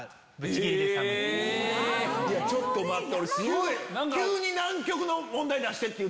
ちょっと待って。